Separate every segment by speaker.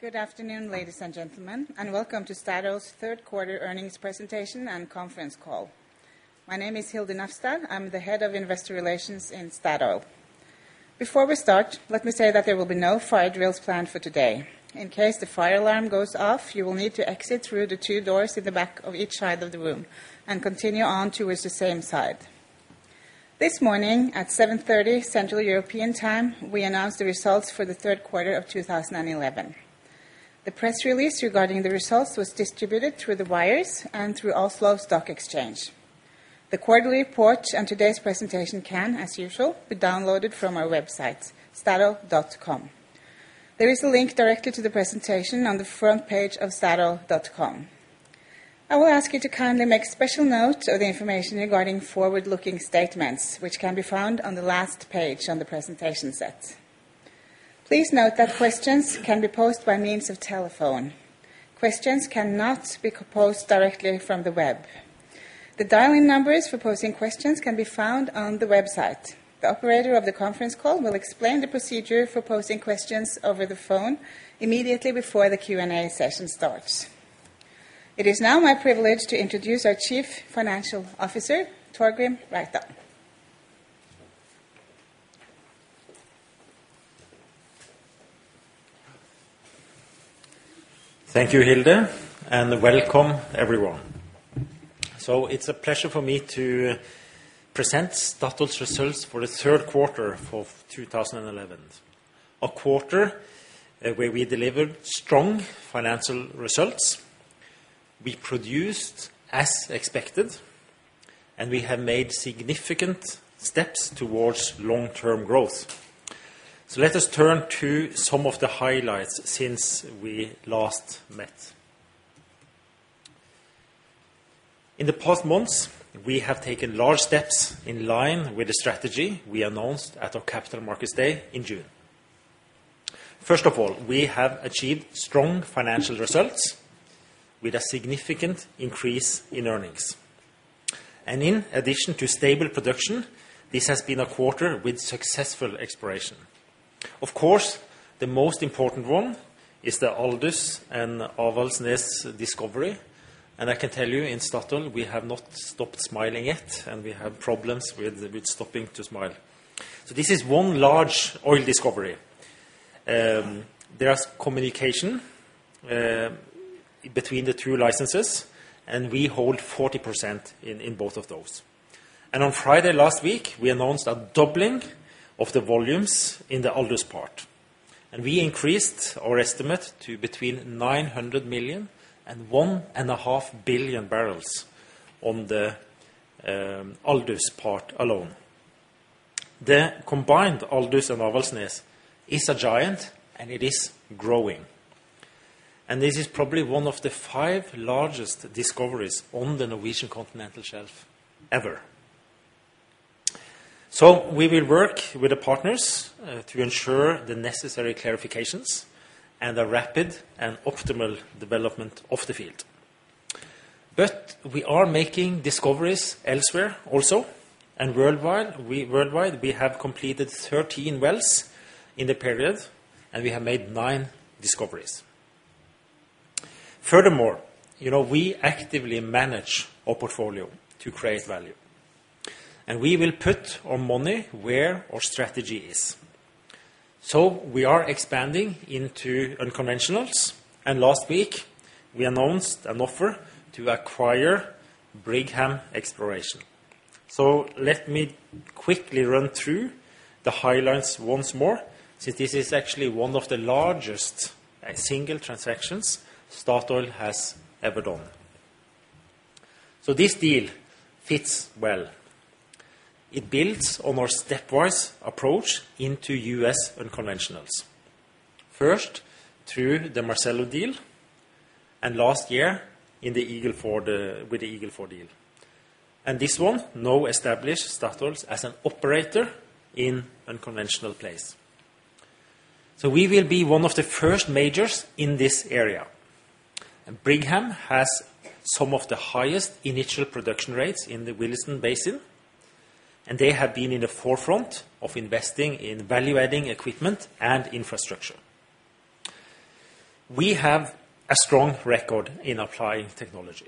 Speaker 1: Good afternoon, ladies and gentlemen, and welcome to Statoil's third quarter earnings presentation and conference call. My name is Hilde Nafstad. I'm the Head of Investor Relations in Statoil. Before we start, let me say that there will be no fire drills planned for today. In case the fire alarm goes off, you will need to exit through the two doors in the back of each side of the room and continue on towards the same side. This morning, at 7:30 Central European Time, we announced the results for the third quarter of 2011. The press release regarding the results was distributed through the wires and through Oslo Stock Exchange. The quarterly report and today's presentation can, as usual, be downloaded from our website, statoil.com. There is a link directly to the presentation on the front page of statoil.com. I will ask you to kindly make special note of the information regarding forward-looking statements, which can be found on the last page on the presentation set. Please note that questions can be posed by means of telephone. Questions cannot be composed directly from the web. The dial-in numbers for posing questions can be found on the website. The operator of the conference call will explain the procedure for posing questions over the phone immediately before the Q&A session starts. It is now my privilege to introduce our Chief Financial Officer, Torgrim Reitan.
Speaker 2: Thank you, Hilde, and welcome everyone. It's a pleasure for me to present Statoil's results for the third quarter of 2011. A quarter where we delivered strong financial results. We produced as expected, and we have made significant steps towards long-term growth. Let us turn to some of the highlights since we last met. In the past months, we have taken large steps in line with the strategy we announced at our Capital Markets Day in June. First of all, we have achieved strong financial results with a significant increase in earnings. In addition to stable production, this has been a quarter with successful exploration. Of course, the most important one is the Aldous and Avaldsnes discovery, and I can tell you, in Statoil, we have not stopped smiling yet, and we have problems with stopping to smile. This is one large oil discovery. There is communication between the two licenses, and we hold 40% in both of those. On Friday last week, we announced a doubling of the volumes in the Aldous part. We increased our estimate to between 900 million and 1.5 billion barrels on the Aldous part alone. The combined Aldous and Avaldsnes is a giant, and it is growing. This is probably one of the five largest discoveries on the Norwegian continental shelf ever. We will work with the partners to ensure the necessary clarifications and a rapid and optimal development of the field. We are making discoveries elsewhere also. Worldwide, we have completed 13 wells in the period, and we have made nine discoveries. Furthermore, you know, we actively manage our portfolio to create value, and we will put our money where our strategy is. We are expanding into unconventionals, and last week, we announced an offer to acquire Brigham Exploration. Let me quickly run through the highlights once more, since this is actually one of the largest single transactions Statoil has ever done. This deal fits well. It builds on our stepwise approach into U.S. unconventionals. First, through the Marcellus deal and last year in the Eagle Ford, with the Eagle Ford deal. This one now establishes Statoil as an operator in unconventional plays. We will be one of the first majors in this area. Brigham has some of the highest initial production rates in the Williston Basin, and they have been in the forefront of investing in value-adding equipment and infrastructure. We have a strong record in applying technology.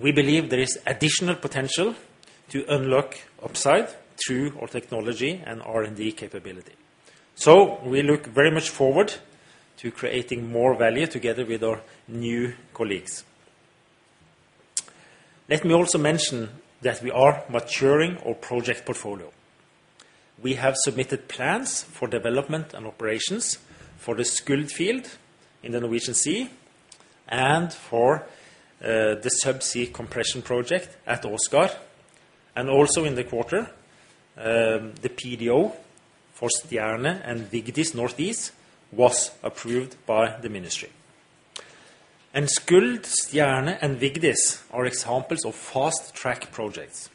Speaker 2: We believe there is additional potential to unlock upside through our technology and R&D capability. We look very much forward to creating more value together with our new colleagues. Let me also mention that we are maturing our project portfolio. We have submitted plans for development and operations for the Skuld field in the Norwegian Sea and for the sub-sea compression project at Åsgard, and also in the quarter, the PDO for Stjerne and Vigdis Northeast was approved by the ministry. Skuld, Stjerne, and Vigdis are examples of fast-track projects.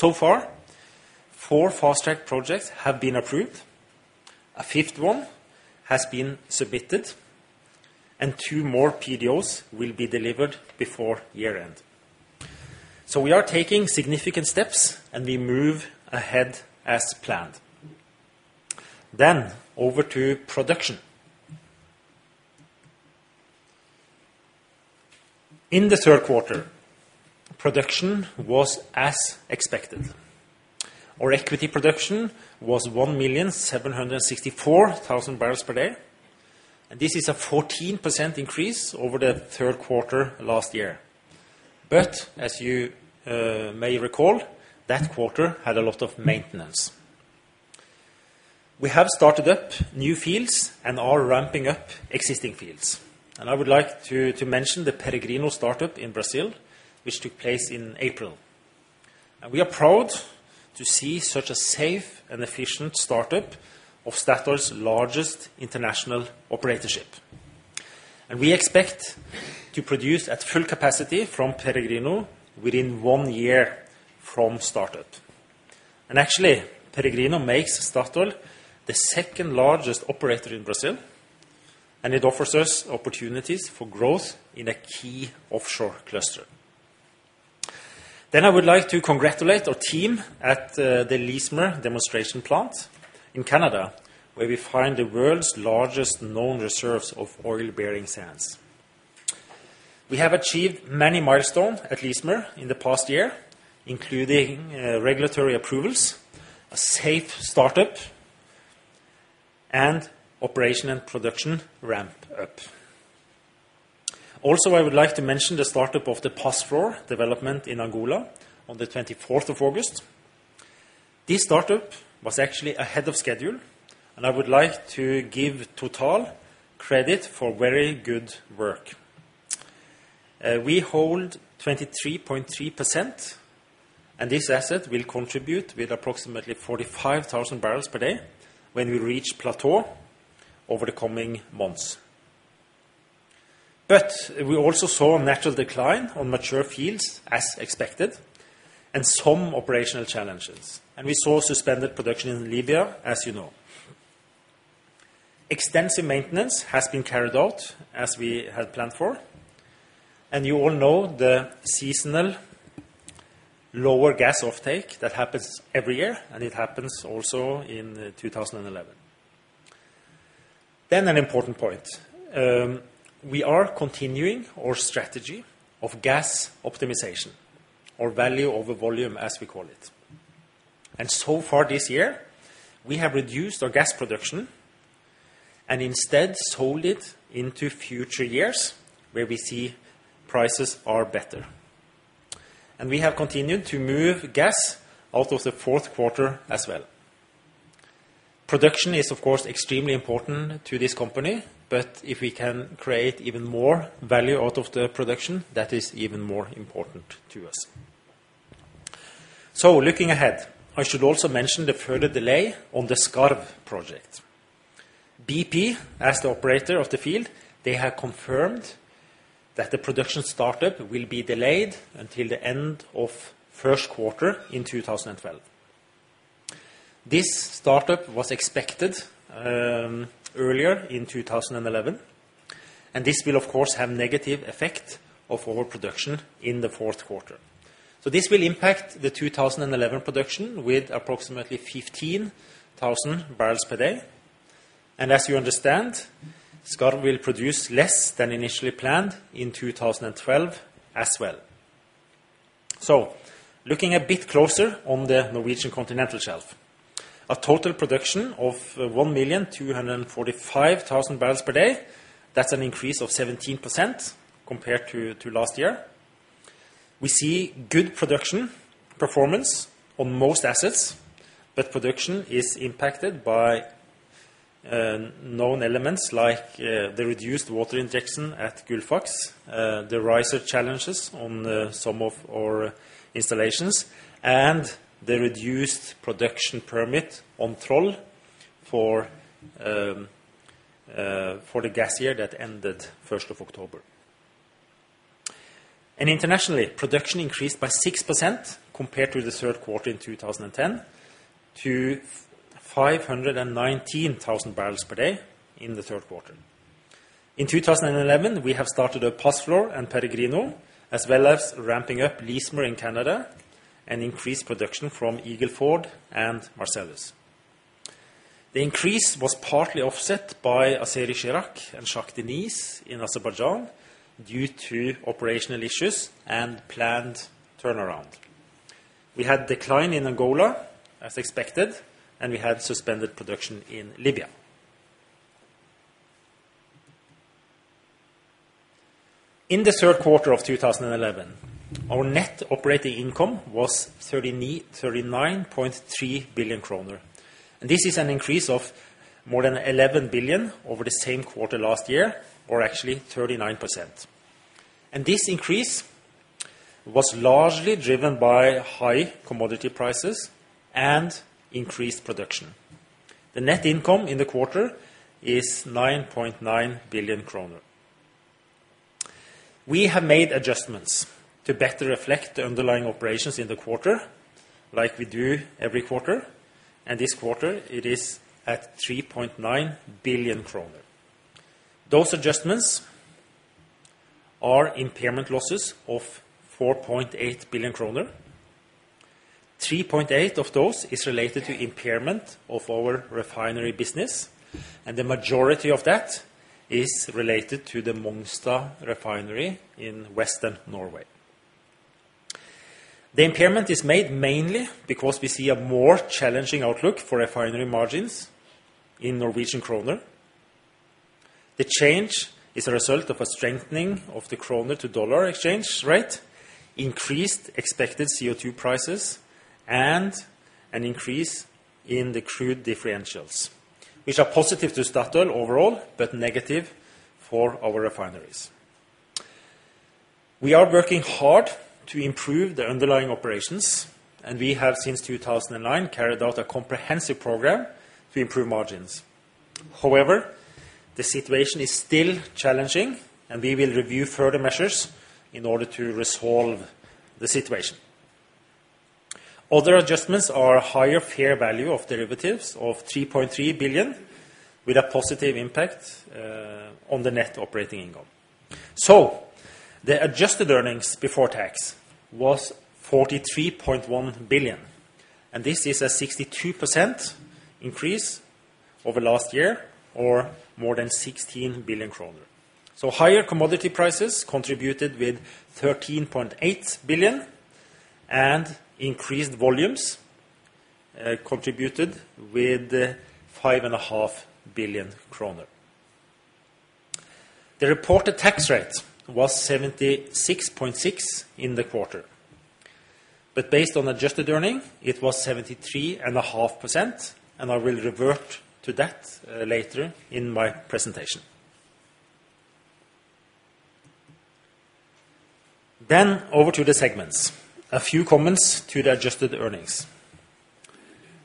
Speaker 2: So far, four fast-track projects have been approved, a fifth one has been submitted, and two more PDOs will be delivered before year-end. We are taking significant steps, and we move ahead as planned. Over to production. In the third quarter, production was as expected. Our equity production was 1,764,000 bbl per day, and this is a 14% increase over the third quarter last year. As you may recall, that quarter had a lot of maintenance. We have started up new fields and are ramping up existing fields. I would like to mention the Peregrino startup in Brazil, which took place in April. We are proud to see such a safe and efficient startup of Statoil's largest international operatorship. We expect to produce at full capacity from Peregrino within one year from startup. Actually, Peregrino makes Statoil the second-largest operator in Brazil, and it offers us opportunities for growth in a key offshore cluster. I would like to congratulate our team at the Leismer demonstration plant in Canada, where we find the world's largest known reserves of oil-bearing sands. We have achieved many milestones at Leismer in the past year, including regulatory approvals, a safe startup, and operation and production ramp-up. I would like to mention the startup of the Pazflor development in Angola on the twenty-fourth of August. This startup was actually ahead of schedule, and I would like to give Total credit for very good work. We hold 23.3%, and this asset will contribute with approximately 45,000 bbl per day when we reach plateau over the coming months. We also saw a natural decline on mature fields, as expected, and some operational challenges. We saw suspended production in Libya, as you know. Extensive maintenance has been carried out as we had planned for, and you all know the seasonal lower gas offtake that happens every year, and it happens also in 2011. An important point. We are continuing our strategy of gas optimization or value over volume, as we call it. So far this year, we have reduced our gas production and instead sold it into future years where we see prices are better. We have continued to move gas out of the fourth quarter as well. Production is, of course, extremely important to this company, but if we can create even more value out of the production, that is even more important to us. Looking ahead, I should also mention the further delay on the Skarv project. BP, as the operator of the field, they have confirmed that the production startup will be delayed until the end of first quarter in 2012. This startup was expected earlier in 2011, and this will of course have negative effect on our production in the fourth quarter. This will impact the 2011 production with approximately 15,000 bbl per day. As you understand, Skarv will produce less than initially planned in 2012 as well. Looking a bit closer on the Norwegian Continental Shelf, a total production of 1,245,000 bbl per day. That's an increase of 17% compared to last year. We see good production performance on most assets, but production is impacted by known elements like the reduced water injection at Gullfaks, the riser challenges on some of our installations and the reduced production permit on Troll for the gas year that ended first of October. Internationally, production increased by 6% compared to the third quarter in 2010 to 519,000 bbl per day in the third quarter. In 2011, we have started at Pazflor and Peregrino, as well as ramping up Leismer in Canada and increased production from Eagle Ford and Marcellus. The increase was partly offset by Azeri-Chirag and Shah Deniz in Azerbaijan due to operational issues and planned turnaround. We had decline in Angola as expected, and we had suspended production in Libya. In the third quarter of 2011, our net operating income was 39.3 billion kroner. This is an increase of more than 11 billion over the same quarter last year or actually 39%. This increase was largely driven by high commodity prices and increased production. The net income in the quarter is 9.9 billion kroner. We have made adjustments to better reflect the underlying operations in the quarter like we do every quarter, and this quarter it is at 3.9 billion kroner. Those adjustments are impairment losses of 4.8 billion kroner. 3.8 of those is related to impairment of our refinery business, and the majority of that is related to the Mongstad refinery in western Norway. The impairment is made mainly because we see a more challenging outlook for refinery margins in Norwegian kroner. The change is a result of a strengthening of the kroner to U.S. dollar exchange rate, increased expected CO2 prices, and an increase in the crude differentials, which are positive to Statoil overall, but negative for our refineries. We are working hard to improve the underlying operations, and we have, since 2009, carried out a comprehensive program to improve margins. However, the situation is still challenging, and we will review further measures in order to resolve the situation. Other adjustments are higher fair value of derivatives of 3.3 billion, with a positive impact on the net operating income. The adjusted earnings before tax was 43.1 billion, and this is a 62% increase over last year, or more than 16 billion kroner. Higher commodity prices contributed with 13.8 billion and increased volumes contributed with 5.5 billion kroner. The reported tax rate was 76.6% in the quarter, but based on adjusted earnings, it was 73.5%, and I will revert to that later in my presentation. Over to the segments. A few comments to the adjusted earnings.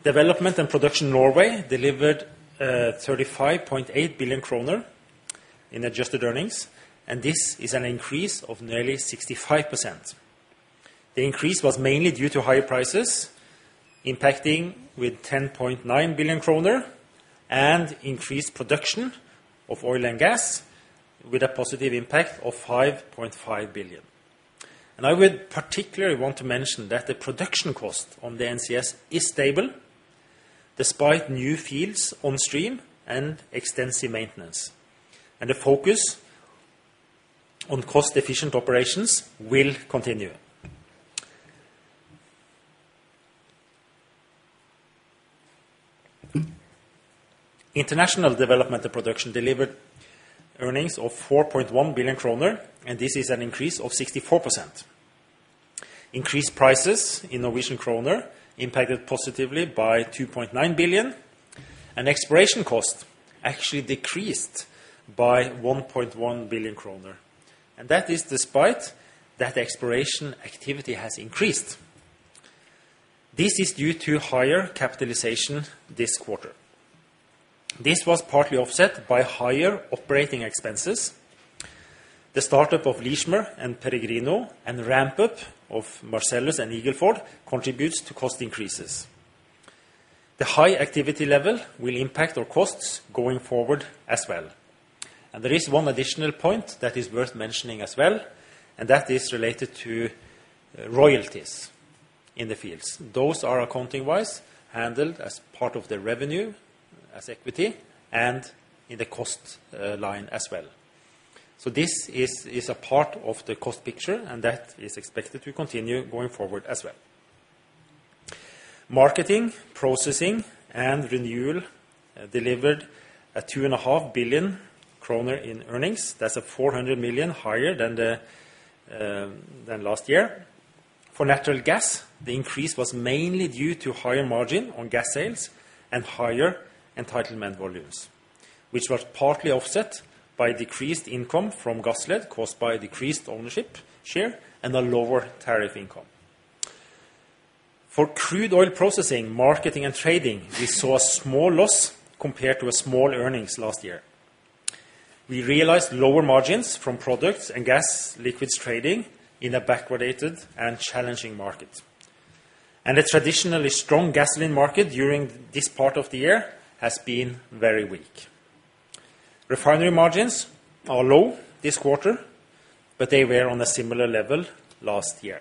Speaker 2: Exploration & Production Norway delivered 35.8 billion kroner in adjusted earnings, and this is an increase of nearly 65%. The increase was mainly due to higher prices impacting with 10.9 billion kroner and increased production of oil and gas with a positive impact of 5.5 billion. I would particularly want to mention that the production cost on the NCS is stable despite new fields on stream and extensive maintenance. The focus on cost-efficient operations will continue. Exploration & Production International delivered earnings of 4.1 billion kroner, and this is an increase of 64%. Increased prices in Norwegian kroner impacted positively by 2.9 billion and exploration cost actually decreased by 1.1 billion kroner. That is despite that exploration activity has increased. This is due to higher capitalization this quarter. This was partly offset by higher operating expenses. The start-up of Leismer and Peregrino and ramp-up of Marcellus and Eagle Ford contributes to cost increases. The high activity level will impact our costs going forward as well. There is one additional point that is worth mentioning as well, and that is related to royalties in the fields. Those are accounting-wise handled as part of the revenue, as equity and in the cost line as well. This is a part of the cost picture, and that is expected to continue going forward as well. Marketing, Processing and Renewables delivered 2.5 billion kroner in earnings. That's 400 million higher than last year. For natural gas, the increase was mainly due to higher margin on gas sales and higher entitlement volumes, which was partly offset by decreased income from Gassled, caused by a decreased ownership share and a lower tariff income. For crude oil processing, marketing and trading, we saw a small loss compared to a small earnings last year. We realized lower margins from products and gas liquids trading in a backwardated and challenging market. The traditionally strong gasoline market during this part of the year has been very weak. Refinery margins are low this quarter, but they were on a similar level last year.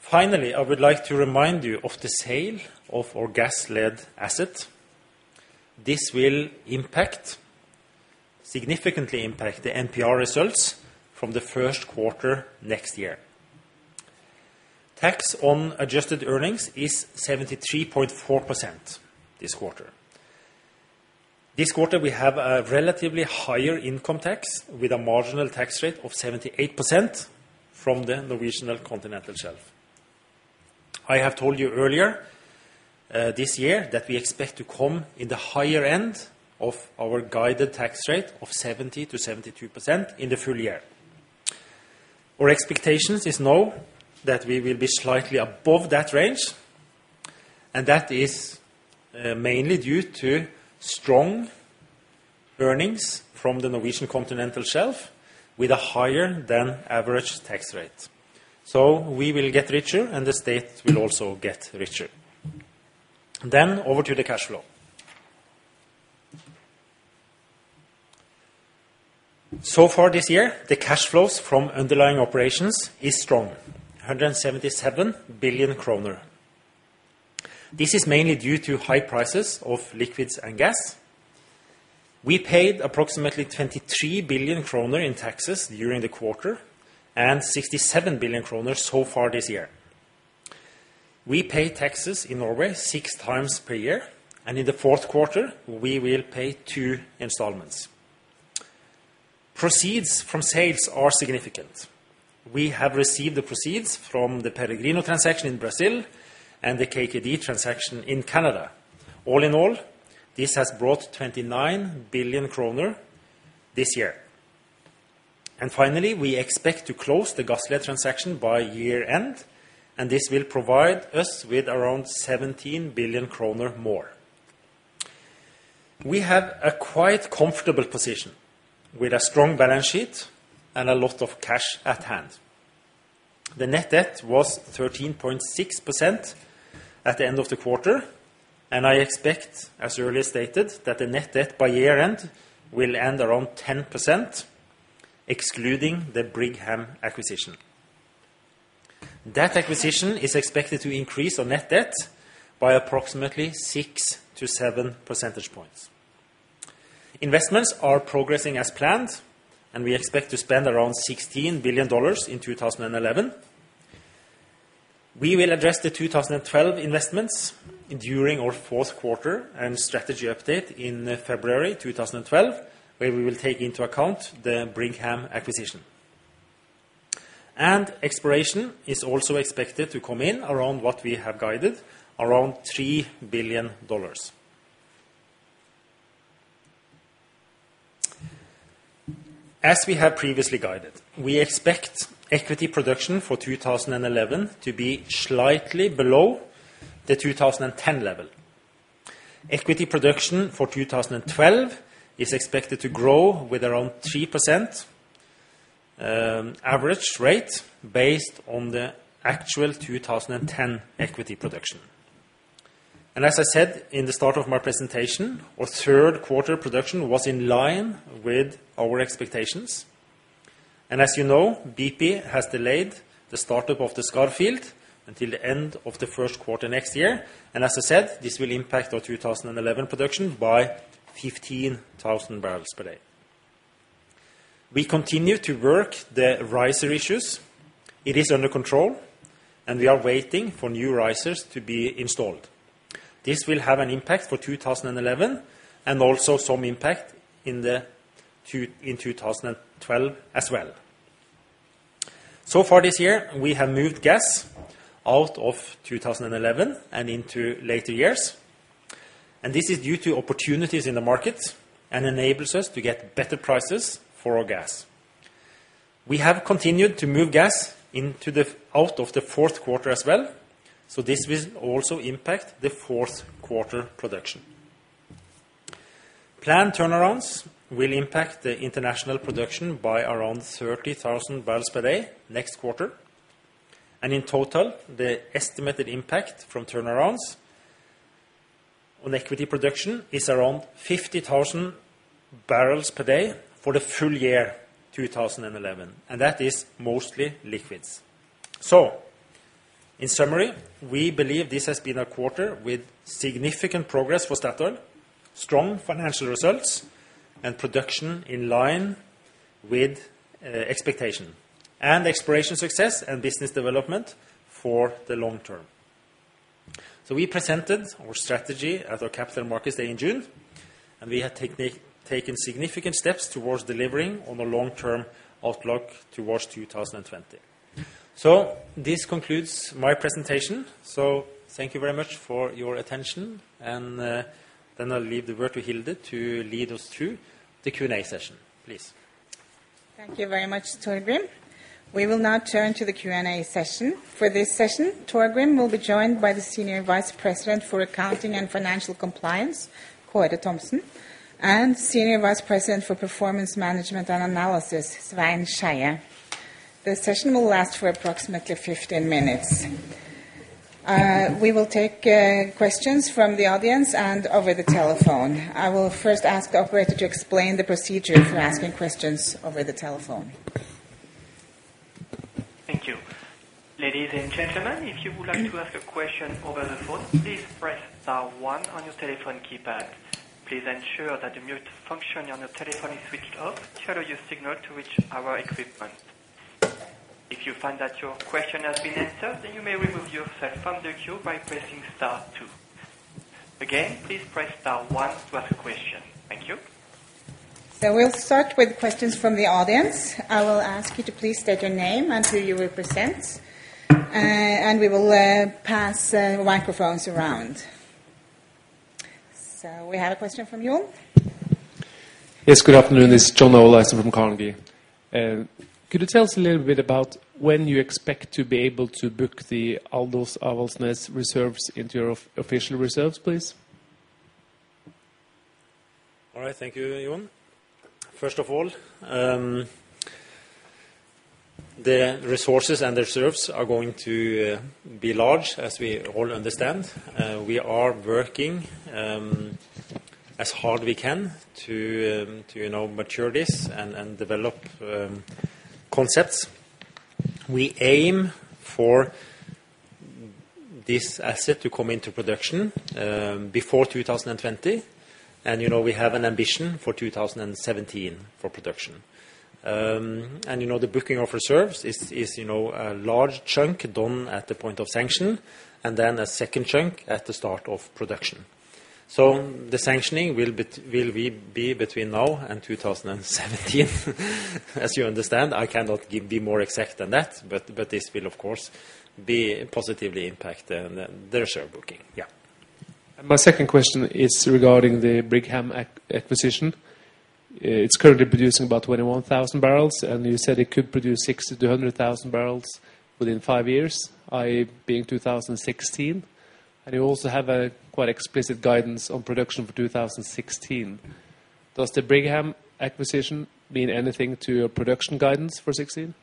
Speaker 2: Finally, I would like to remind you of the sale of our Gassled asset. This will significantly impact the MPR results from the first quarter next year. Tax on adjusted earnings is 73.4% this quarter. This quarter, we have a relatively higher income tax with a marginal tax rate of 78% from the Norwegian Continental Shelf. I have told you earlier, this year that we expect to come in the higher end of our guided tax rate of 70%-72% in the full year. Our expectations is now that we will be slightly above that range, and that is, mainly due to strong earnings from the Norwegian Continental Shelf with a higher than average tax rate. We will get richer and the state will also get richer. Over to the cash flow. Far this year, the cash flows from underlying operations is strong, 177 billion kroner. This is mainly due to high prices of liquids and gas. We paid approximately 23 billion kroner in taxes during the quarter and 67 billion kroner so far this year. We pay taxes in Norway six times per year, and in the fourth quarter we will pay two installments. Proceeds from sales are significant. We have received the proceeds from the Peregrino transaction in Brazil and the KKD transaction in Canada. All in all, this has brought 29 billion kroner this year. Finally, we expect to close the Gassled transaction by year-end, and this will provide us with around 17 billion kroner more. We have a quite comfortable position with a strong balance sheet and a lot of cash at hand. The net debt was 13.6% at the end of the quarter, and I expect, as earlier stated, that the net debt by year-end will end around 10% excluding the Brigham acquisition. That acquisition is expected to increase our net debt by approximately 6-7 percentage points. Investments are progressing as planned, and we expect to spend around $16 billion in 2011. We will address the 2012 investments during our fourth quarter and strategy update in February 2012, where we will take into account the Brigham acquisition. Exploration is also expected to come in around what we have guided, around $3 billion. As we have previously guided, we expect equity production for 2011 to be slightly below the 2010 level. Equity production for 2012 is expected to grow with around 3%, average rate based on the actual 2010 equity production. As I said in the start of my presentation, our third quarter production was in line with our expectations. As you know, BP has delayed the start-up of the Skarv field until the end of the first quarter next year. As I said, this will impact our 2011 production by 15,000 bbl per day. We continue to work the riser issues. It is under control and we are waiting for new risers to be installed. This will have an impact for 2011 and also some impact in 2012 as well. Far this year, we have moved gas out of 2011 and into later years. This is due to opportunities in the market and enables us to get better prices for our gas. We have continued to move gas out of the fourth quarter as well. This will also impact the fourth quarter production. Planned turnarounds will impact the international production by around 30,000 bbl per day next quarter. In total, the estimated impact from turnarounds on equity production is around 50,000 bbl per day for the full year 2011, and that is mostly liquids. In summary, we believe this has been a quarter with significant progress for Statoil, strong financial results and production in line with expectation and exploration success and business development for the long term. We presented our strategy at our Capital Markets Day in June, and we have taken significant steps towards delivering on a long-term outlook towards 2020. This concludes my presentation. Thank you very much for your attention. Then I'll leave the word to Hilde to lead us through the Q&A session. Please.
Speaker 1: Thank you very much, Torgrim. We will now turn to the Q&A session. For this session, Torgrim will be joined by the Senior Vice President for Accounting and Financial Compliance, Kåre Thomsen, and Senior Vice President for Performance Management and Analysis, Svein Skeie. The session will last for approximately 15 minutes. We will take questions from the audience and over the telephone. I will first ask the operator to explain the procedure for asking questions over the telephone.
Speaker 3: Thank you. Ladies and gentlemen, if you would like to ask a question over the phone, please press star one on your telephone keypad. Please ensure that the mute function on your telephone is switched off to allow your signal to reach our equipment. If you find that your question has been answered, then you may remove yourself from the queue by pressing star two. Again, please press star one to ask a question. Thank you.
Speaker 1: We'll start with questions from the audience. I will ask you to please state your name and who you represent. We will pass microphones around. We have a question from John.
Speaker 4: Yes, good afternoon. This is John Olaisen from Carnegie. Could you tell us a little bit about when you expect to be able to book the Aldous Avaldsnes reserves into your official reserves, please?
Speaker 2: All right. Thank you, everyone. First of all, the resources and the reserves are going to be large, as we all understand. We are working as hard as we can to you know mature this and develop concepts. We aim for this asset to come into production before 2020. You know, we have an ambition for 2017 for production. You know, the booking of reserves is you know a large chunk done at the point of sanction, and then a second chunk at the start of production. The sanctioning will be between now and 2017. As you understand, I cannot give more exact than that, but this will of course be positively impact the reserve booking.
Speaker 4: My second question is regarding the Brigham acquisition. It's currently producing about 21,000 bbl, and you said it could produce 60,000 bbl-100,000 bbl within five years, i.e., being 2016. You also have a quite explicit guidance on production for 2016. Does the Brigham acquisition mean anything to your production guidance for 2016?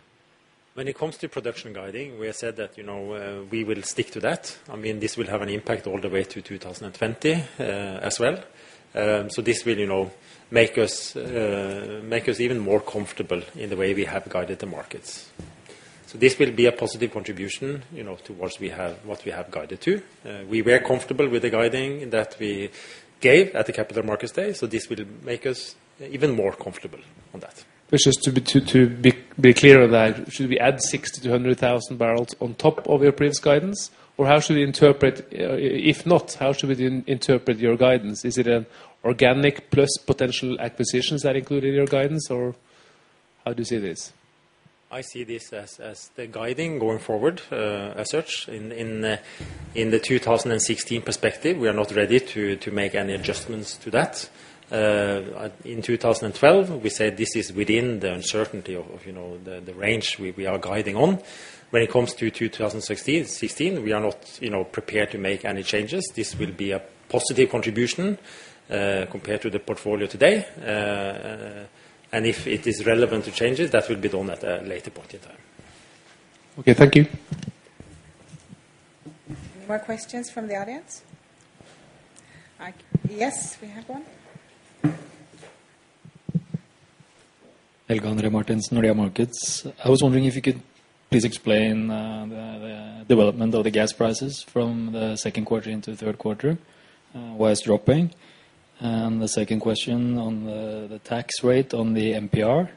Speaker 2: When it comes to production guiding, we have said that, you know, we will stick to that. I mean, this will have an impact all the way to 2020, as well. This will, you know, make us even more comfortable in the way we have guided the markets. This will be a positive contribution, you know, to what we have guided to. We were comfortable with the guiding that we gave at the Capital Markets Day, so this will make us even more comfortable on that.
Speaker 4: Just to be clear on that, should we add 60-100 thousand bbl on top of your previous guidance? Or how should we interpret, if not, how should we then interpret your guidance? Is it an organic plus potential acquisitions that are included in your guidance, or how do you see this?
Speaker 2: I see this as the guiding going forward, as such. In the 2016 perspective, we are not ready to make any adjustments to that. In 2012, we said this is within the uncertainty of, you know, the range we are guiding on. When it comes to 2016, we are not, you know, prepared to make any changes. This will be a positive contribution compared to the portfolio today. If it is relevant to changes, that will be done at a later point in time.
Speaker 4: Okay, thank you.
Speaker 1: Any more questions from the audience? Yes, we have one.
Speaker 5: Helge André Martinsen, Nordea Markets. I was wondering if you could please explain the development of the gas prices from the second quarter into third quarter why it's dropping. The second question on the tax rate on the MPR.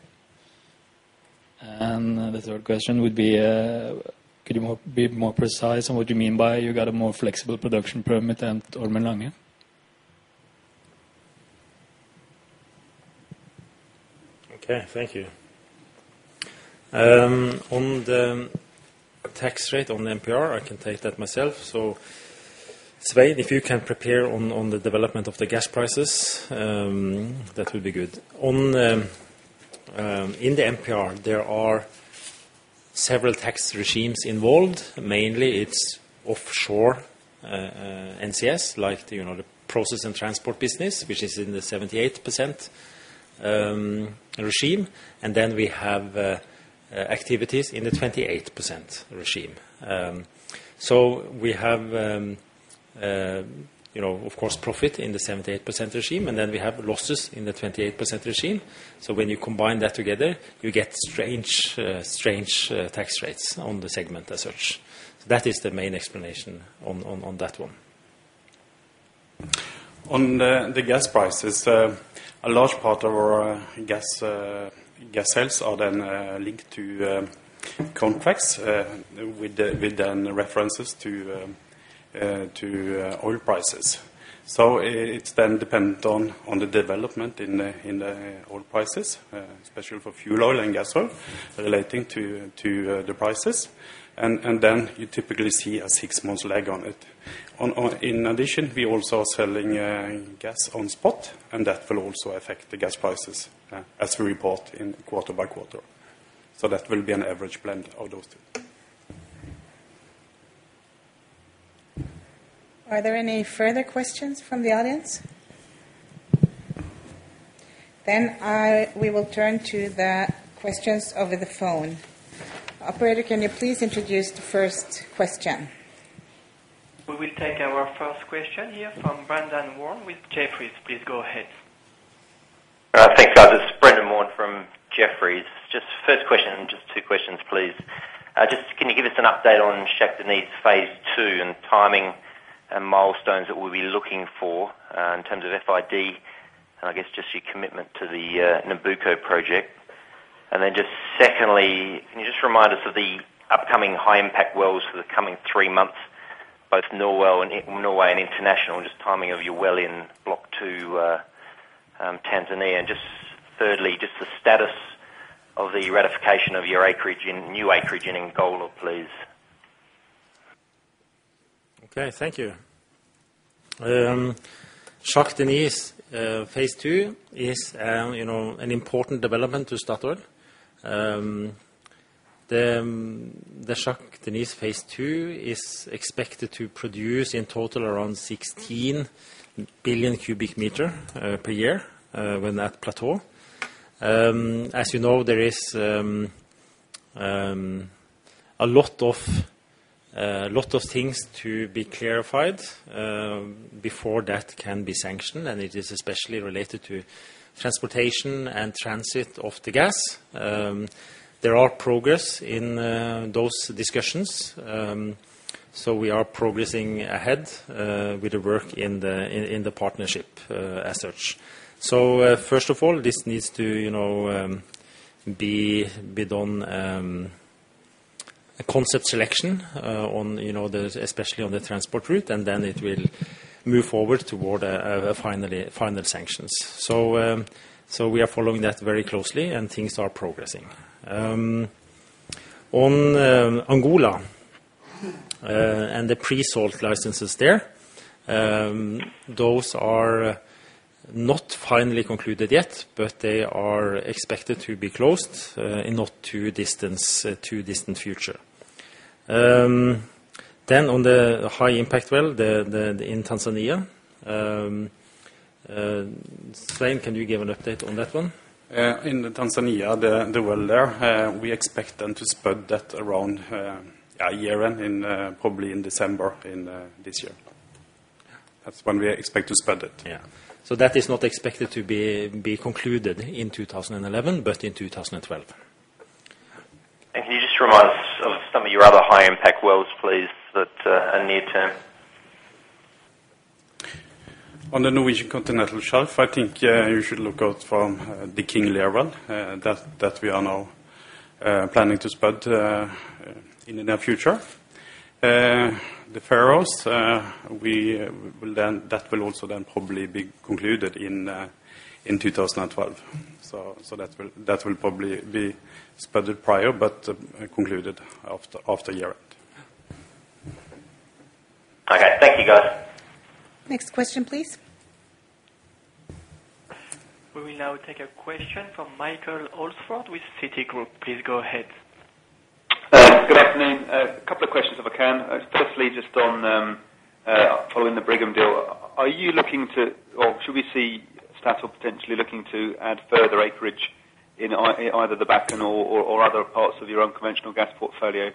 Speaker 5: The third question would be could you be more precise on what you mean by you got a more flexible production permit at Ormen Lange?
Speaker 2: Okay, thank you. On the tax rate on the MPR, I can take that myself. Svein, if you can prepare on the development of the gas prices, that would be good. In the MPR, there are several tax regimes involved. Mainly it's offshore NCS, like, you know, the process and transport business, which is in the 78% regime. Then we have activities in the 28% regime. We have, you know, of course profit in the 78% regime, and then we have losses in the 28% regime. When you combine that together, you get strange tax rates on the segment as such. That is the main explanation on that one.
Speaker 6: On the gas prices, a large part of our gas sales are linked to contracts with references to oil prices. It's then dependent on the development in the oil prices, especially for fuel oil and gas oil relating to the prices. You typically see a six-month lag on it. In addition, we're also selling gas on spot, and that will also affect the gas prices as we report in quarter by quarter. That will be an average blend of those two.
Speaker 1: Are there any further questions from the audience? We will turn to the questions over the phone. Operator, can you please introduce the first question?
Speaker 3: We will take our first question here from Brendan Warn with Jefferies. Please go ahead.
Speaker 7: Thanks guys. It's Brendan Warn from Jefferies. Just first question, just two questions, please. Just can you give us an update on Shah Deniz Phase 2 and timing and milestones that we'll be looking for in terms of FID, and I guess just your commitment to the Nabucco project. Just secondly, can you just remind us of the upcoming high-impact wells for the coming three months, both in Norway and international, and just timing of your well in Block 2 Tanzania. Just thirdly, just the status of the ratification of your new acreage in Angola, please.
Speaker 2: Okay, thank you. Shah Deniz Phase 2 is you know an important development to Statoil. The Shah Deniz Phase 2 is expected to produce in total around 16 billion cubic meter per year when at plateau. As you know, there is a lot of things to be clarified before that can be sanctioned, and it is especially related to transportation and transit of the gas. There are progress in those discussions, so we are progressing ahead with the work in the partnership as such. First of all, this needs to you know be bid on a concept selection on you know the especially on the transport route, and then it will move forward toward final sanctions. We are following that very closely, and things are progressing. On Angola and the pre-salt licenses there, those are not finally concluded yet, but they are expected to be closed in not too distant future. On the high-impact well in Tanzania, Svein, can you give an update on that one?
Speaker 6: In Tanzania, the well there, we expect them to spud that around a year in, probably in December in this year. That's when we expect to spud it.
Speaker 2: Yeah. That is not expected to be concluded in 2011 but in 2012.
Speaker 7: Can you just remind us of some of your other high-impact wells, please, that are near term?
Speaker 6: On the Norwegian continental shelf, I think, yeah, you should look out for the King Lear well that we are now planning to spud in the near future. The Faroes, that will also then probably be concluded in 2012. That will probably be spudded prior but concluded after year-end.
Speaker 7: Okay. Thank you, guys.
Speaker 1: Next question, please.
Speaker 3: We will now take a question from Michael Alsford with Citigroup. Please go ahead.
Speaker 8: Good afternoon. A couple of questions if I can. Firstly, just on following the Brigham deal, are you looking to or should we see Statoil potentially looking to add further acreage in either the Bakken or other parts of your own conventional gas portfolio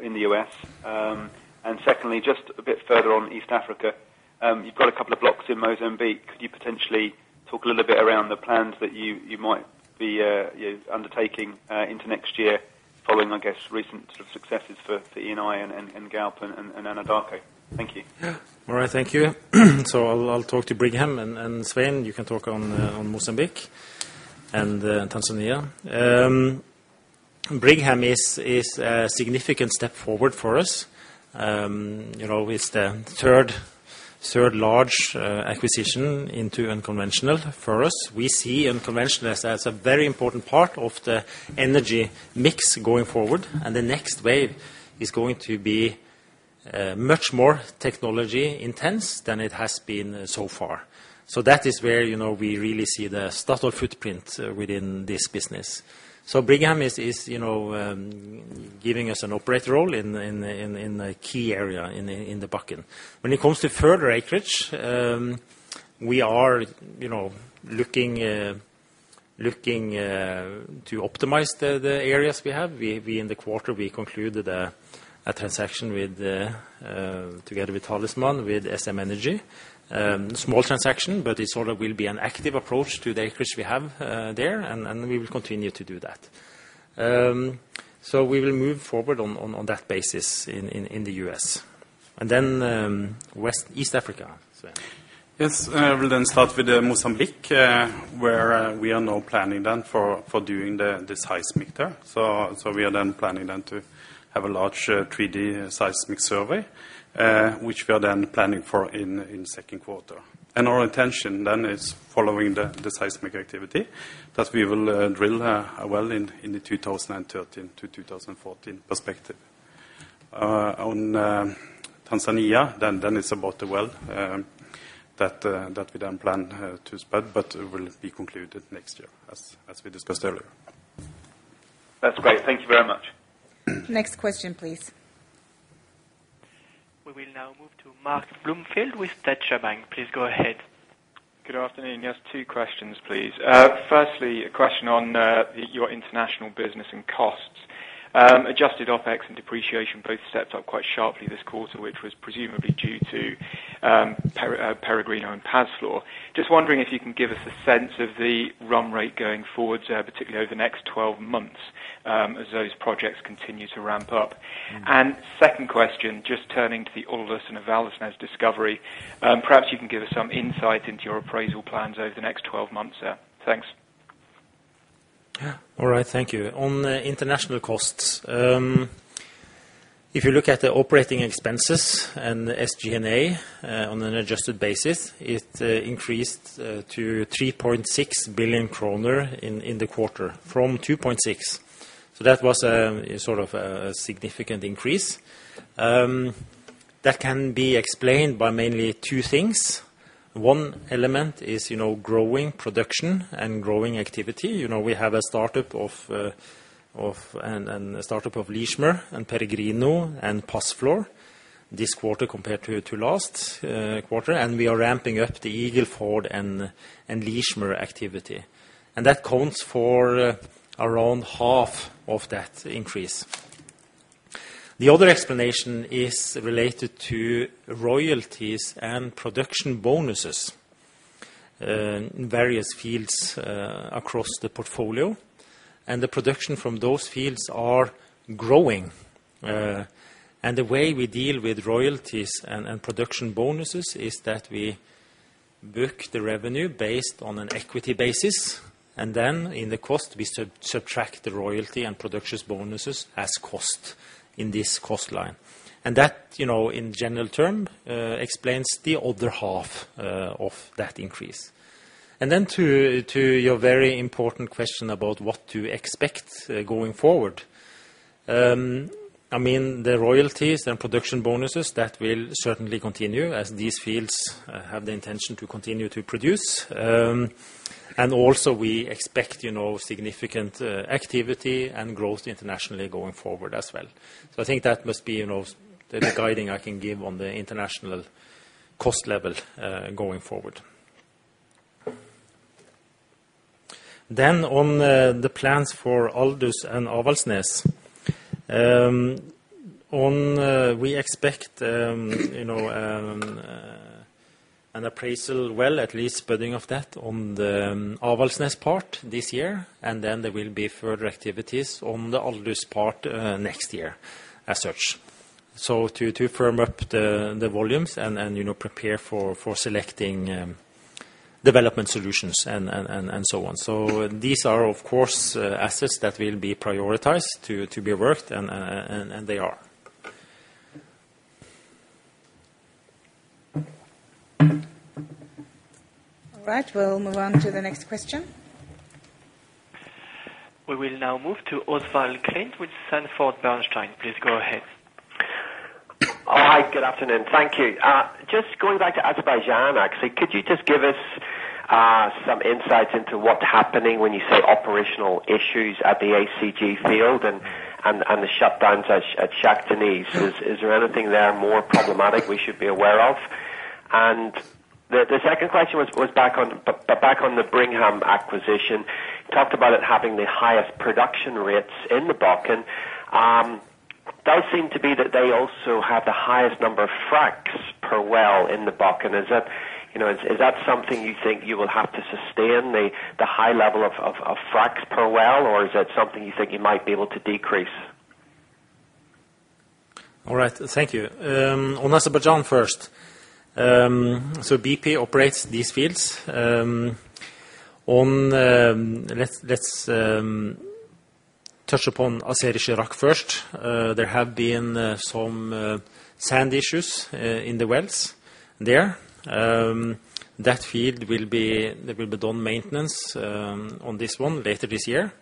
Speaker 8: in the U.S.? Secondly, just a bit further on East Africa, you've got a couple of blocks in Mozambique. Could you potentially talk a little bit around the plans that you might be you know undertaking into next year following I guess recent sort of successes for ENI and Galp and Anadarko? Thank you.
Speaker 2: Yeah. All right. Thank you. I'll talk to Brigham, and Svein, you can talk on Mozambique and Tanzania. Brigham is a significant step forward for us. You know, it's the third large acquisition into unconventional for us. We see unconventional as a very important part of the energy mix going forward, and the next wave is going to be much more technology intense than it has been so far. That is where you know, we really see the Statoil footprint within this business. Brigham is you know, giving us an operator role in a key area in the Bakken. When it comes to further acreage, we are you know, looking to optimize the areas we have. We, in the quarter, we concluded a transaction together with Talisman with SM Energy. Small transaction, but it sort of will be an active approach to the acreage we have there and we will continue to do that. We will move forward on that basis in the U.S. West, East Africa, Svein.
Speaker 6: Yes. We'll start with Mozambique, where we are now planning for doing the seismic there. So we are planning to have a large 3D seismic survey, which we are planning for in second quarter. Our intention is following the seismic activity that we will drill a well in the 2013 to 2014 perspective. On Tanzania, it's about the well that we plan to spud but will be concluded next year as we discussed earlier.
Speaker 8: That's great. Thank you very much.
Speaker 1: Next question, please.
Speaker 3: We will now move to Mark Bloomfield with Deutsche Bank. Please go ahead.
Speaker 9: Good afternoon. Yes, two questions, please. Firstly, a question on your international business and costs. Adjusted OpEx and depreciation both stepped up quite sharply this quarter, which was presumably due to Peregrino and Pazflor. Just wondering if you can give us a sense of the run rate going forward, particularly over the next 12 months, as those projects continue to ramp up.
Speaker 2: Mm-hmm.
Speaker 9: Second question, just turning to the Aldous and Avaldsnes discovery, perhaps you can give us some insight into your appraisal plans over the next 12 months. Yeah. Thanks.
Speaker 2: Yeah. All right. Thank you. On the international costs, if you look at the operating expenses and SG&A, on an adjusted basis, it increased to 3.6 billion kroner in the quarter from 2.6 billion. That was a sort of significant increase. That can be explained by mainly two things. One element is, you know, growing production and growing activity. You know, we have a startup of Leismer and Peregrino and Pazflor this quarter compared to last quarter. We are ramping up the Eagle Ford and Leismer activity. That counts for around half of that increase. The other explanation is related to royalties and production bonuses in various fields across the portfolio. The production from those fields is growing. The way we deal with royalties and production bonuses is that we book the revenue based on an equity basis, and then in the cost, we subtract the royalty and production bonuses as cost in this cost line. That, you know, in general terms, explains the other half of that increase. To your very important question about what to expect going forward. I mean, the royalties and production bonuses, that will certainly continue as these fields have the intention to continue to produce. Also we expect, you know, significant activity and growth internationally going forward as well. I think that must be, you know, the guiding I can give on the international cost level going forward. On the plans for Aldous and Avaldsnes. We expect, you know, an appraisal well, at least budding of that on the Avaldsnes part this year, and then there will be further activities on the Aldous part next year as such. To firm up the volumes and, you know, prepare for selecting development solutions and so on. These are, of course, assets that will be prioritized to be worked and they are.
Speaker 1: All right, we'll move on to the next question.
Speaker 3: We will now move to Oswald Clint with Sanford Bernstein. Please go ahead.
Speaker 10: All right. Good afternoon. Thank you. Just going back to Azerbaijan, actually. Could you just give us some insights into what's happening when you say operational issues at the ACG field and the shutdowns at Shah Deniz? Is there anything there more problematic we should be aware of? The second question was back on the Brigham acquisition. You talked about it having the highest production rates in the Bakken. Does seem to be that they also have the highest number of fracs per well in the Bakken. Is that, you know, something you think you will have to sustain, the high level of fracs per well, or is that something you think you might be able to decrease?
Speaker 2: All right, thank you. On Azerbaijan first. BP operates these fields. Let's touch upon Azeri-Chirag first. There have been some sand issues in the wells there. There will be maintenance done on this one later this year.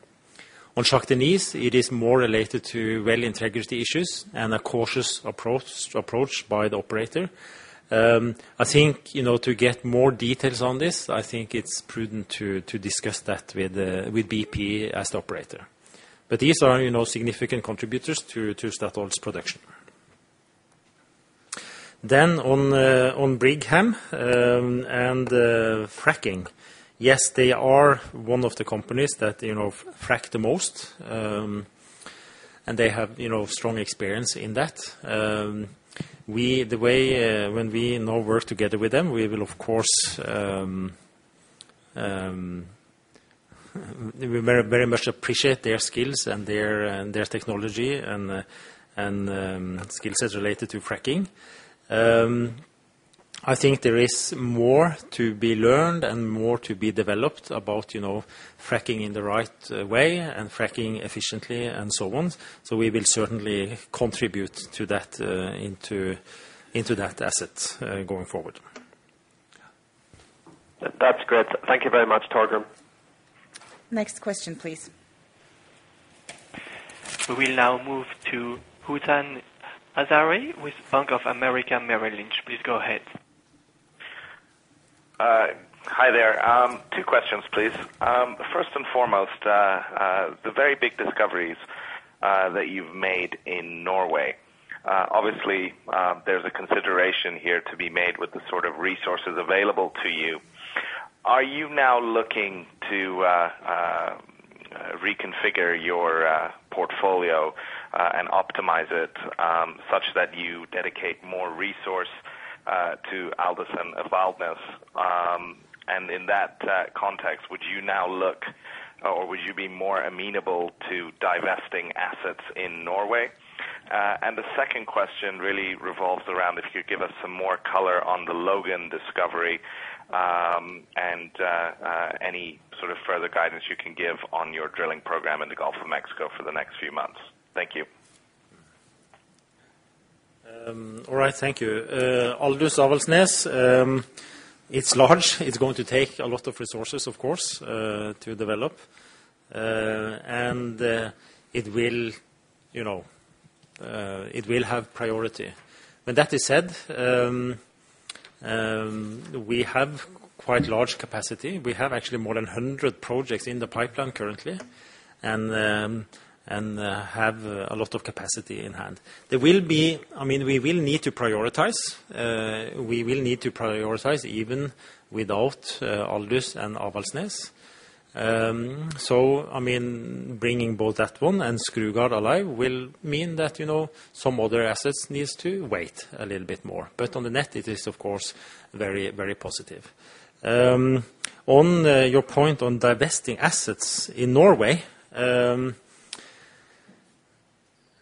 Speaker 2: On Shah Deniz, it is more related to well integrity issues and a cautious approach by the operator. I think, you know, to get more details on this, I think it's prudent to discuss that with BP as the operator. These are, you know, significant contributors to Statoil's production. On Brigham and fracking. Yes, they are one of the companies that, you know, frack the most. They have, you know, strong experience in that. The way, when we now work together with them, we will of course, we very much appreciate their skills and their technology and skill sets related to fracking. I think there is more to be learned and more to be developed about, you know, fracking in the right way and fracking efficiently and so on. We will certainly contribute to that, into that asset going forward.
Speaker 10: That's good. Thank you very much, Torgrim.
Speaker 1: Next question, please.
Speaker 3: We will now move to Hootan Yazhari with Bank of America Merrill Lynch. Please go ahead.
Speaker 11: Hi there. Two questions, please. First and foremost, the very big discoveries that you've made in Norway. Obviously, there's a consideration here to be made with the sort of resources available to you. Are you now looking to reconfigure your portfolio and optimize it such that you dedicate more resource to Aldous and Avaldsnes? In that context, would you now look, or would you be more amenable to divesting assets in Norway? The second question really revolves around if you'd give us some more color on the Logan discovery and any sort of further guidance you can give on your drilling program in the Gulf of Mexico for the next few months. Thank you.
Speaker 2: All right. Thank you. Aldous, Avaldsnes, it's large. It's going to take a lot of resources, of course, to develop. It will, you know, it will have priority. With that he said, we have quite large capacity. We have actually more than 100 projects in the pipeline currently and have a lot of capacity in hand. I mean, we will need to prioritize even without Aldous and Avaldsnes. I mean, bringing both that one and Skrugard alive will mean that, you know, some other assets needs to wait a little bit more. On the net, it is of course, very, very positive. On your point on divesting assets in Norway,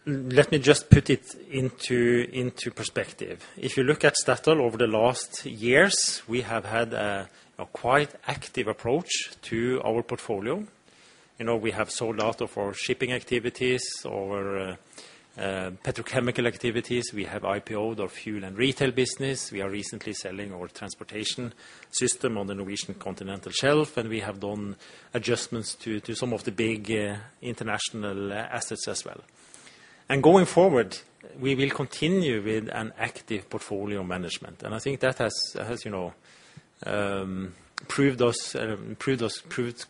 Speaker 2: let me just put it into perspective. If you look at Statoil over the last years, we have had a quite active approach to our portfolio. You know, we have sold a lot of our shipping activities, our petrochemical activities. We have IPO-ed our fuel and retail business. We are recently selling our transportation system on the Norwegian Continental Shelf, and we have done adjustments to some of the big international assets as well. Going forward, we will continue with an active portfolio management. I think that has you know proved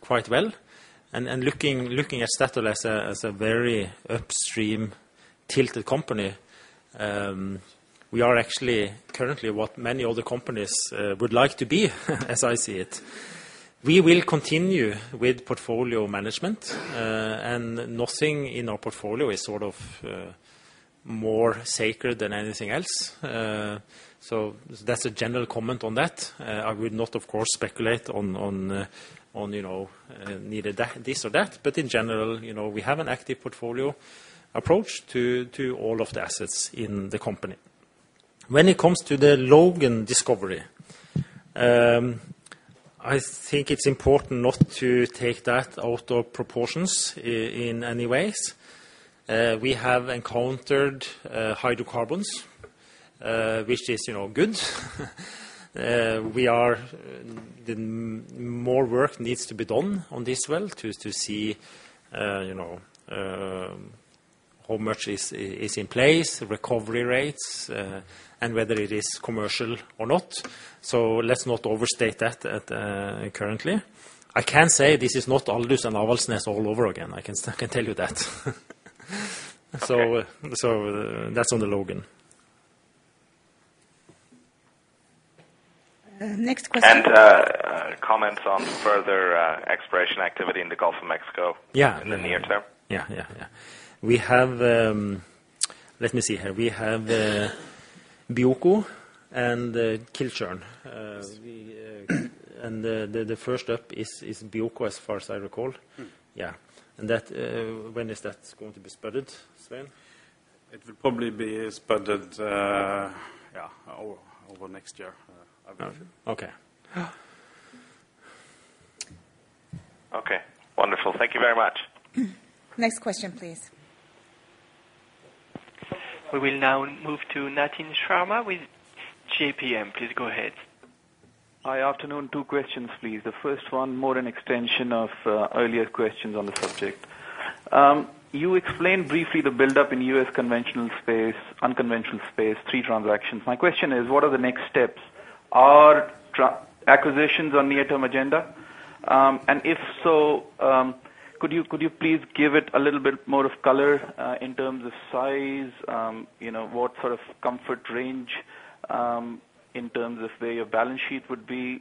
Speaker 2: quite well. Looking at Statoil as a very upstream-tilted company, we are actually currently what many other companies would like to be as I see it. We will continue with portfolio management, and nothing in our portfolio is sort of more sacred than anything else. That's a general comment on that. I would not, of course, speculate on you know, neither this nor that. In general, you know, we have an active portfolio approach to all of the assets in the company. When it comes to the Logan discovery, I think it's important not to take that out of proportion in any way. We have encountered hydrocarbons, which is, you know, good. More work needs to be done on this well to see, you know, how much is in place, recovery rates, and whether it is commercial or not. Let's not overstate that currently. I can say this is not Aldous and Avaldsnes all over again. I can tell you that. That's on the Logan.
Speaker 1: Next question.
Speaker 11: Comments on further exploration activity in the Gulf of Mexico.
Speaker 2: Yeah.
Speaker 11: in the near term.
Speaker 2: Yeah. We have, let me see here. We have Bioko and Kilchurn. The first up is Bioko as far as I recall.
Speaker 11: Mm.
Speaker 2: Yeah. That, when is that going to be spudded, Svein?
Speaker 6: It will probably be spudded over next year. I believe.
Speaker 2: Okay. Yeah.
Speaker 11: Okay. Wonderful. Thank you very much.
Speaker 1: Next question, please.
Speaker 3: We will now move to Nitin Sharma with JPMorgan. Please go ahead.
Speaker 12: Good afternoon. Two questions, please. The first one, more an extension of earlier questions on the subject. You explained briefly the buildup in U.S. conventional space, unconventional space, three transactions. My question is, what are the next steps? Are acquisitions on near-term agenda? And if so, could you please give it a little bit more of color in terms of size? You know, what sort of comfort range in terms of where your balance sheet would be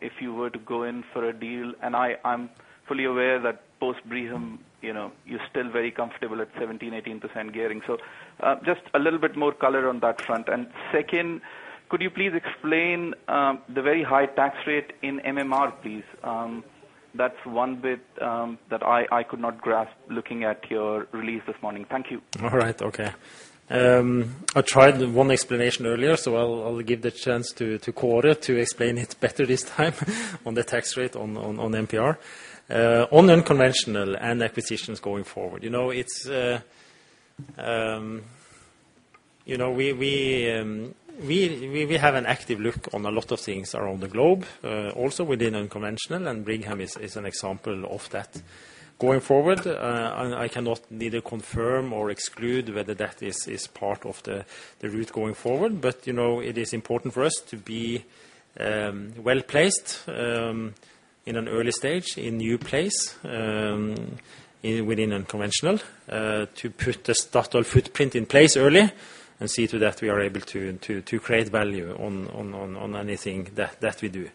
Speaker 12: if you were to go in for a deal? I'm fully aware that post-Brigham, you know, you're still very comfortable at 17%-18% gearing. Just a little bit more color on that front. Second, could you please explain the very high tax rate in MPR, please? That's one bit that I could not grasp looking at your release this morning. Thank you.
Speaker 2: All right. Okay. I tried one explanation earlier, so I'll give the chance to Kåre to explain it better this time on the tax rate on MPR. On unconventional and acquisitions going forward. You know, it's you know, we have an active look on a lot of things around the globe, also within unconventional, and Brigham is an example of that. Going forward, and I cannot neither confirm or exclude whether that is part of the route going forward. You know, it is important for us to be well-placed in an early stage, in new plays within unconventional, to put the Statoil footprint in place early and see to that we are able to create value on anything that we do.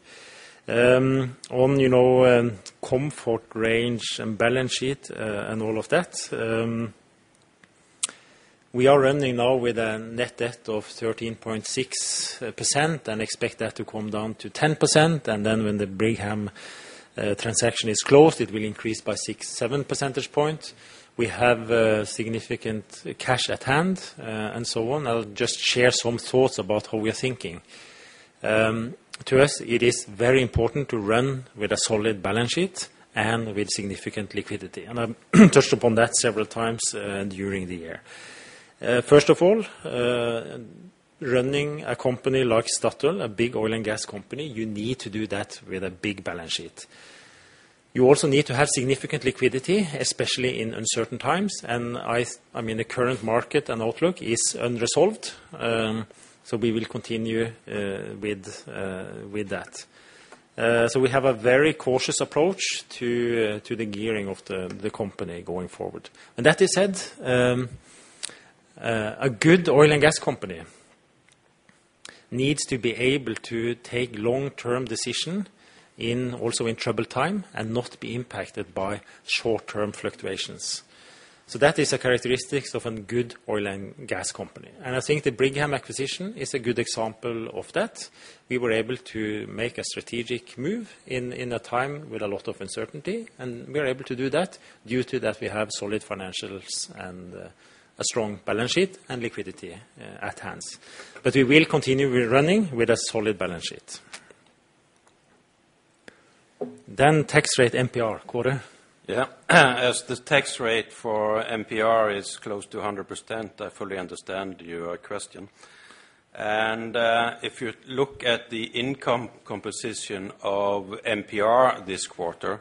Speaker 2: On, you know, comfort range and balance sheet, and all of that, we are running now with a net debt of 13.6% and expect that to come down to 10%. When the Brigham transaction is closed, it will increase by 6, 7 percentage points. We have significant cash at hand, and so on. I'll just share some thoughts about how we're thinking. To us, it is very important to run with a solid balance sheet and with significant liquidity. I've touched upon that several times during the year. First of all, running a company like Statoil, a big oil and gas company, you need to do that with a big balance sheet. You also need to have significant liquidity, especially in uncertain times. I mean, the current market and outlook is unresolved, so we will continue with that. We have a very cautious approach to the gearing of the company going forward. That said, a good oil and gas company needs to be able to take long-term decision also in troubled time and not be impacted by short-term fluctuations. That is the characteristic of a good oil and gas company. I think the Brigham acquisition is a good example of that. We were able to make a strategic move in a time with a lot of uncertainty, and we are able to do that due to that we have solid financials and a strong balance sheet and liquidity at hand. We will continue with running with a solid balance sheet. Tax rate MPR. Kåre?
Speaker 13: Yeah. As the tax rate for MPR is close to 100%, I fully understand your question. If you look at the income composition of MPR this quarter,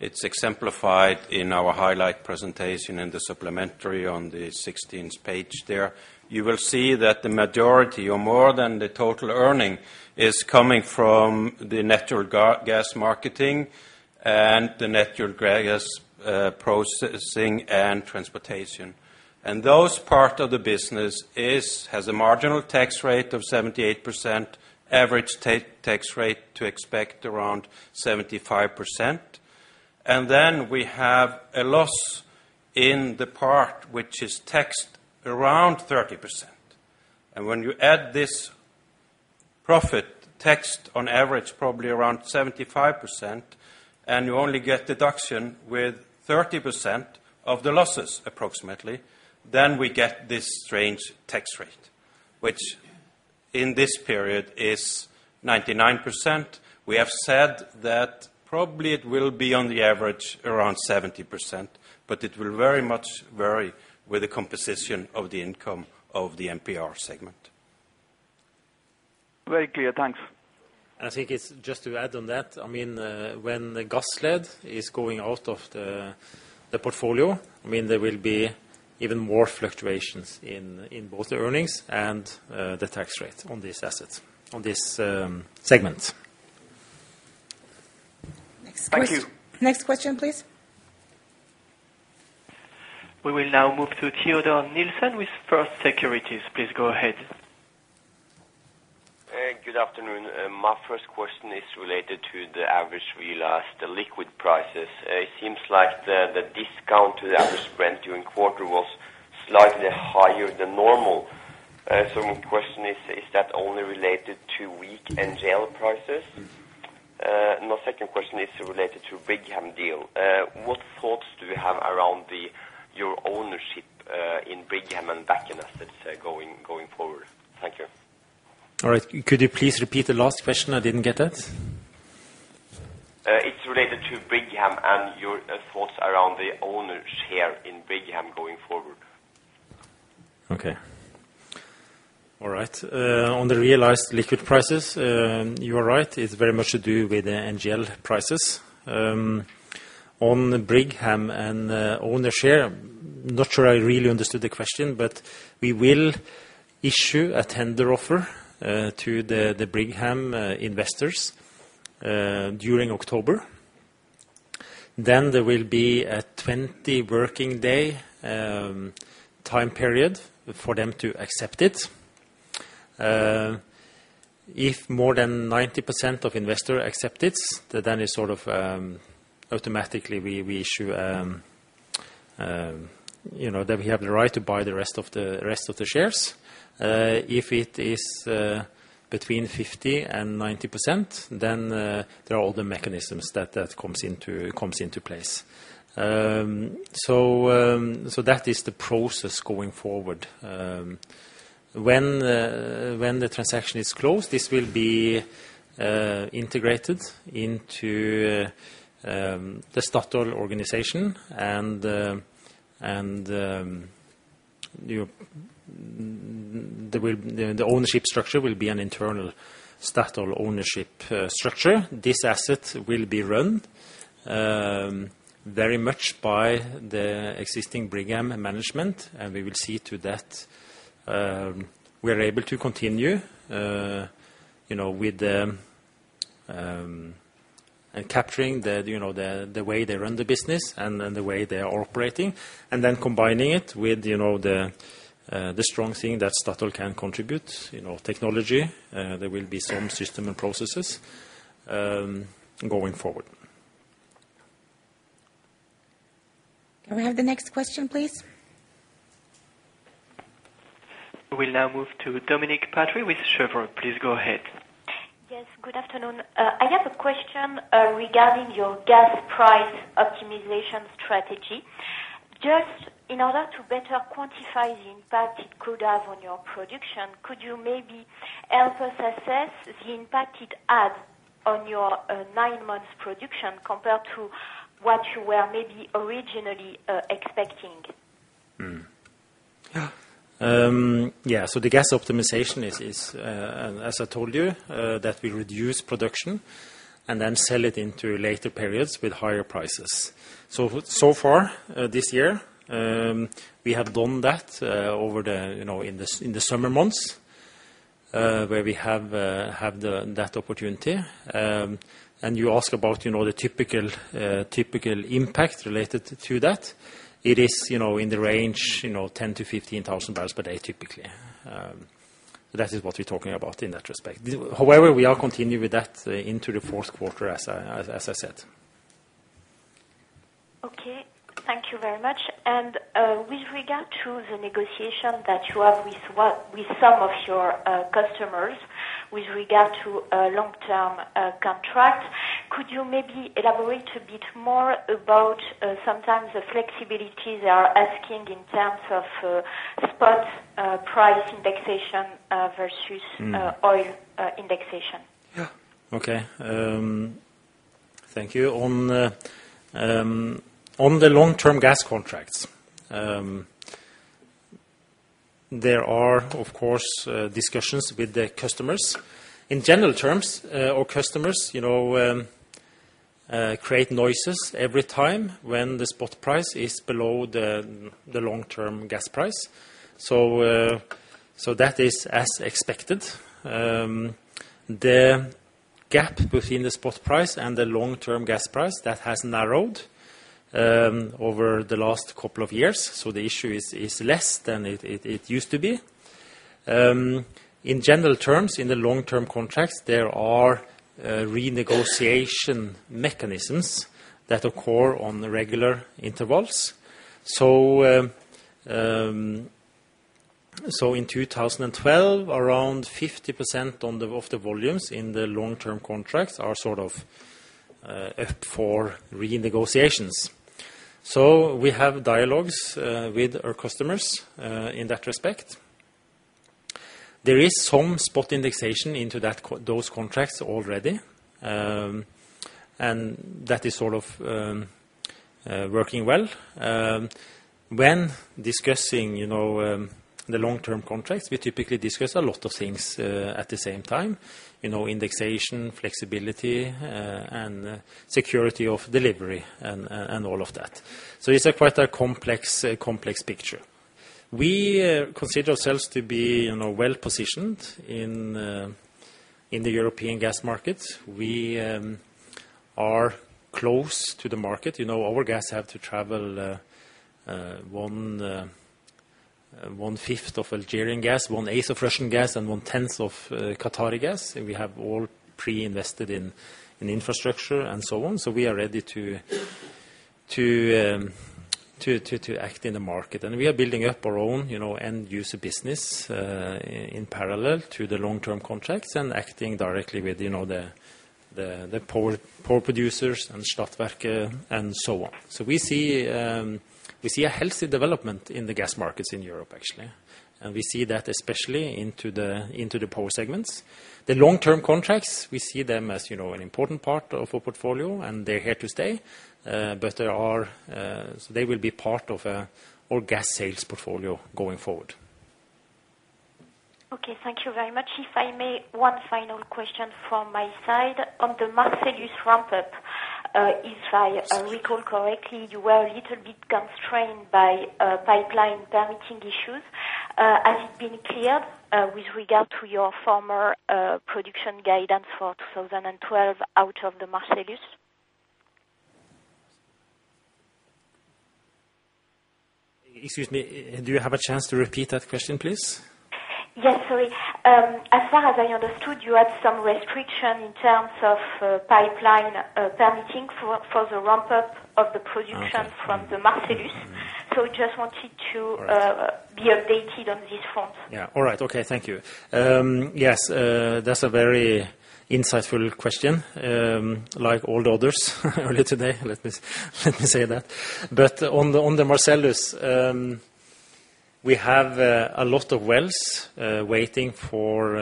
Speaker 13: it's exemplified in our highlight presentation in the supplementary on the 16th page there. You will see that the majority or more than the total earnings is coming from the natural gas marketing and the natural gas processing and transportation. That part of the business has a marginal tax rate of 78%, average tax rate to expect around 75%. Then we have a loss in the part which is taxed around 30%. When you add this profit taxed on average, probably around 75%, and you only get deduction with 30% of the losses approximately, then we get this strange tax rate, which in this period is 99%. We have said that probably it will be on the average around 70%, but it will very much vary with the composition of the income of the MPR segment.
Speaker 12: Very clear. Thanks.
Speaker 2: I think it's just to add on that. I mean, when Gassled is going out of the portfolio, I mean, there will be even more fluctuations in both the earnings and the tax rate on this asset, on this segment.
Speaker 12: Thank you.
Speaker 1: Next question, please.
Speaker 3: We will now move to Teodor Nilsen with First Securities. Please go ahead.
Speaker 14: Good afternoon. My first question is related to the average realized liquid prices. It seems like the discount to the average spot during quarter was slightly higher than normal. My question is that only related to weak NGL prices? My second question is related to Brigham deal. What thoughts do we have around your ownership in Brigham and Bakken assets going forward? Thank you.
Speaker 2: All right. Could you please repeat the last question? I didn't get that.
Speaker 14: It's related to Brigham and your thoughts around the owner share in Brigham going forward.
Speaker 2: Okay. All right. On the realized liquid prices, you are right. It's very much to do with the NGL prices. On Brigham and ownership, not sure I really understood the question, we will issue a tender offer to the Brigham investors during October. There will be a 20 working day time period for them to accept it. If more than 90% of investors accept it, then it sort of automatically we issue, you know, that we have the right to buy the rest of the shares. If it is between 50% and 90%, then there are other mechanisms that comes into play. That is the process going forward. When the transaction is closed, this will be integrated into the Statoil organization. There will be an internal Statoil ownership structure. This asset will be run very much by the existing Brigham management. We will see to that we are able to continue, you know, with the capturing the, you know, the way they run the business and the way they are operating, and then combining it with, you know, the strong thing that Statoil can contribute, you know, technology. There will be some system and processes going forward.
Speaker 1: Can we have the next question, please?
Speaker 3: We will now move to Dominique Patry with Cheuvreux. Please go ahead.
Speaker 15: Yes, good afternoon. I have a question regarding your gas price optimization strategy. Just in order to better quantify the impact it could have on your production, could you maybe help us assess the impact it has on your nine-month production compared to what you were maybe originally expecting?
Speaker 2: The gas optimization is as I told you that we reduce production and then sell it into later periods with higher prices. So far this year we have done that over the you know in the summer months where we have that opportunity. You ask about you know the typical impact related to that. It is you know in the range you know $10,000-$15,000 per day typically. That is what we're talking about in that respect. However, we are continuing with that into the fourth quarter as I said.
Speaker 15: Okay. Thank you very much. With regard to the negotiation that you have with some of your customers with regard to a long-term contract, could you maybe elaborate a bit more about sometimes the flexibilities they are asking in terms of spot price indexation versus-
Speaker 2: Mm-hmm.
Speaker 15: Oil indexation?
Speaker 2: Yeah. Okay. Thank you. On the long-term gas contracts, there are of course discussions with the customers. In general terms, our customers, you know, create noises every time when the spot price is below the long-term gas price. That is as expected. The gap between the spot price and the long-term gas price has narrowed over the last couple of years. The issue is less than it used to be. In general terms, in the long-term contracts, there are renegotiation mechanisms that occur on regular intervals. In 2012, around 50% of the volumes in the long-term contracts are sort of up for renegotiations. We have dialogues with our customers in that respect. There is some spot indexation into those contracts already, and that is sort of working well. When discussing, you know, the long-term contracts, we typically discuss a lot of things at the same time, you know, indexation, flexibility, and security of delivery and all of that. It's quite a complex picture. We consider ourselves to be, you know, well-positioned in the European gas markets. We are close to the market. You know, our gas have to travel 1/5 of Algerian gas, 1/8 of Russian gas, and 1/10 of Qatari gas. We have all pre-invested in infrastructure and so on. We are ready to act in the market. We are building up our own, you know, end user business in parallel to the long-term contracts and acting directly with, you know, the power producers and Stadtwerke and so on. We see a healthy development in the gas markets in Europe actually, and we see that especially into the power segments. The long-term contracts, we see them as, you know, an important part of our portfolio, and they're here to stay. But there are, so they will be part of our gas sales portfolio going forward.
Speaker 15: Okay, thank you very much. If I may, one final question from my side. On the Marcellus ramp-up, if I recall correctly, you were a little bit constrained by pipeline permitting issues. Has it been cleared with regard to your former production guidance for 2012 out of the Marcellus?
Speaker 2: Excuse me, do you have a chance to repeat that question, please?
Speaker 15: Yes, sorry. As far as I understood, you had some restriction in terms of pipeline permitting for the ramp-up of the production-
Speaker 2: Okay.
Speaker 15: from the Marcellus. Just wanted to-
Speaker 2: Right.
Speaker 15: be updated on this front.
Speaker 2: Thank you. Yes, that's a very insightful question, like all the others earlier today. Let me say that. On the Marcellus, we have a lot of wells waiting for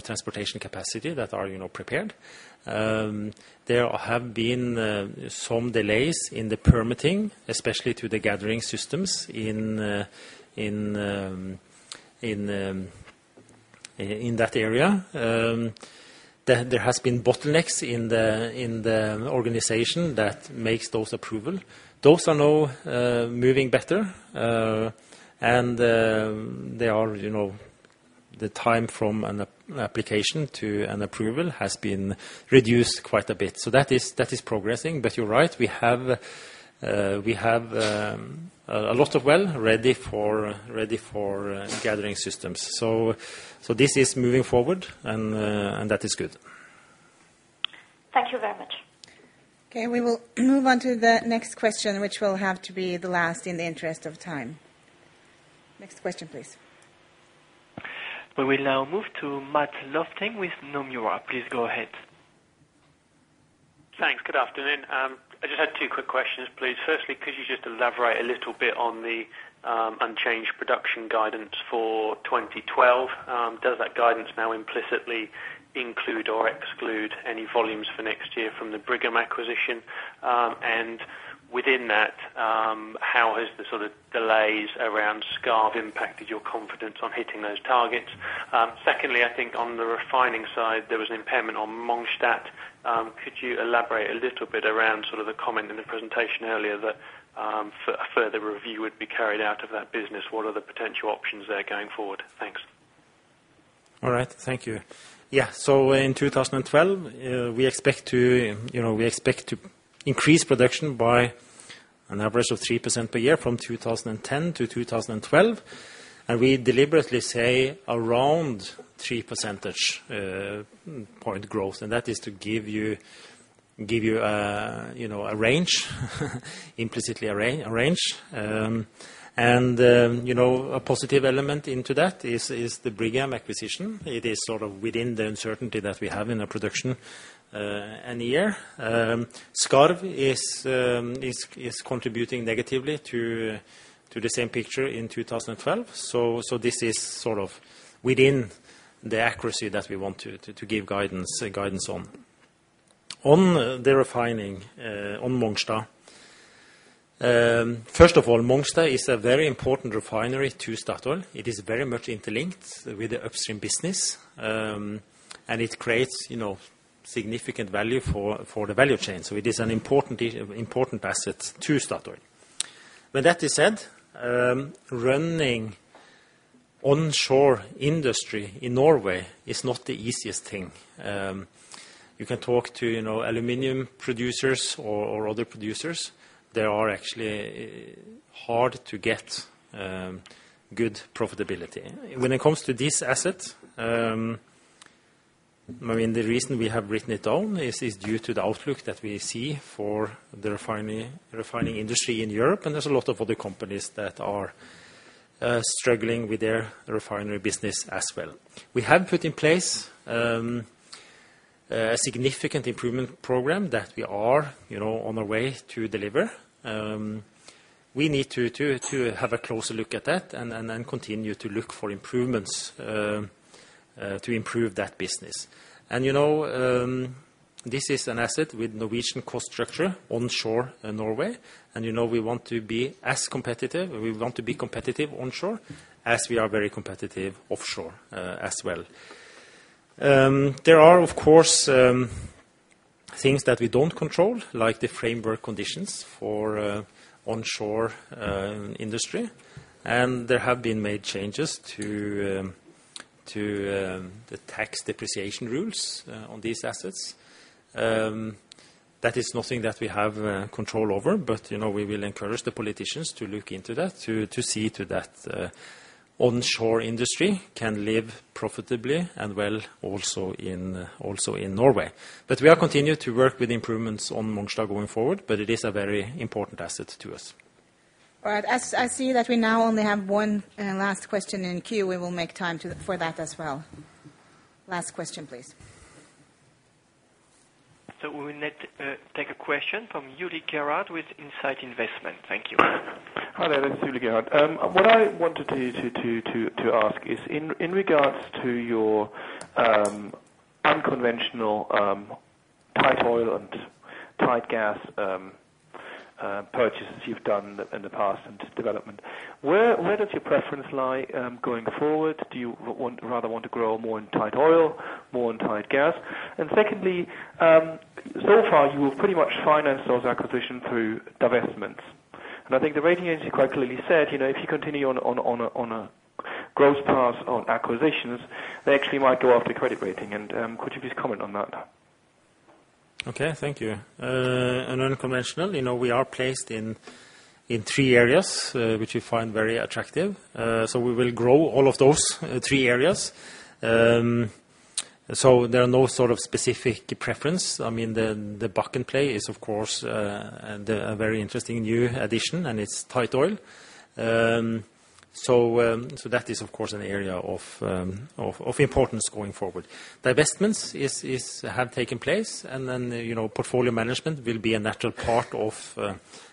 Speaker 2: transportation capacity that are, you know, prepared. There have been some delays in the permitting, especially to the gathering systems in that area. There has been bottlenecks in the organization that makes those approval. Those are now moving better, and they are, you know, the time from an application to an approval has been reduced quite a bit. That is progressing. You're right, we have a lot of wells ready for gathering systems. This is moving forward and that is good.
Speaker 15: Thank you very much.
Speaker 1: Okay, we will move on to the next question, which will have to be the last in the interest of time. Next question, please.
Speaker 3: We will now move to Matt Lofting with Nomura. Please go ahead.
Speaker 16: Thanks. Good afternoon. I just had two quick questions, please. Firstly, could you just elaborate a little bit on the unchanged production guidance for 2012? Does that guidance now implicitly include or exclude any volumes for next year from the Brigham acquisition? And within that, how has the sort of delays around Skarv impacted your confidence on hitting those targets? Secondly, I think on the refining side, there was an impairment on Mongstad. Could you elaborate a little bit around sort of the comment in the presentation earlier that further review would be carried out of that business? What are the potential options there going forward? Thanks.
Speaker 2: All right. Thank you. Yeah. In 2012, we expect to, you know, increase production by an average of 3% per year from 2010 to 2012. We deliberately say around 3 percentage point growth, and that is to give you a range, implicitly a range. You know, a positive element into that is the Brigham acquisition. It is sort of within the uncertainty that we have in our production in a year. Skarv is contributing negatively to the same picture in 2012. This is sort of within the accuracy that we want to give guidance on. On the refining on Mongstad. First of all, Mongstad is a very important refinery to Statoil. It is very much interlinked with the upstream business. It creates, you know, significant value for the value chain. It is an important asset to Statoil. With that being said, running onshore industry in Norway is not the easiest thing. You can talk to, you know, aluminum producers or other producers. They are actually hard to get good profitability. When it comes to this asset, I mean, the reason we have written it down is due to the outlook that we see for the refining industry in Europe, and there's a lot of other companies that are struggling with their refinery business as well. We have put in place a significant improvement program that we are, you know, on our way to deliver. We need to have a closer look at that and then continue to look for improvements to improve that business. You know, this is an asset with Norwegian cost structure onshore in Norway, and you know we want to be as competitive, we want to be competitive onshore as we are very competitive offshore, as well. There are, of course, things that we don't control, like the framework conditions for onshore industry. There have been made changes to the tax depreciation rules on these assets. That is nothing that we have control over, but you know, we will encourage the politicians to look into that, to see to that onshore industry can live profitably and well also in Norway. We continue to work with improvements on Mongstad going forward, but it is a very important asset to us.
Speaker 1: All right. As I see that we now only have one last question in queue, we will make time for that as well. Last question, please.
Speaker 3: We will take a question from Uli Gerhard with Insight Investment. Thank you.
Speaker 17: Hi there. This is Uli Gerhard. What I wanted to ask is in regards to your unconventional tight oil and tight gas purchases you've done in the past and development, where does your preference lie going forward? Do you rather want to grow more in tight oil, more in tight gas? Secondly, so far, you've pretty much financed those acquisitions through divestments. I think the rating agency quite clearly said, you know, if you continue on a growth path on acquisitions, they actually might go after your credit rating. Could you please comment on that?
Speaker 2: Okay, thank you. On unconventional, you know, we are placed in three areas, which we find very attractive. We will grow all of those three areas. There are no sort of specific preference. I mean, the Bakken Play is, of course, a very interesting new addition, and it's tight oil. That is, of course, an area of importance going forward. Divestments have taken place and then, you know, portfolio management will be a natural part of